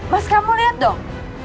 mas kamu liat dong